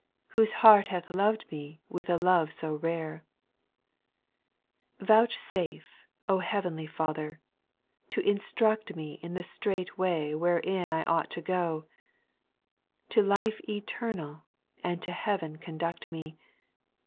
Whose heart hath lov'd me with a love so rare ; Vouchsafe, O heavenly Father, to instruct me In the straight way wherein I ought to go, To life eternal and to heaven conduct me.